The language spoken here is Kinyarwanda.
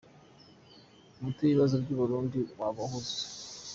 Umuti w’ibibazo by’u Burundi waba uwuhe?.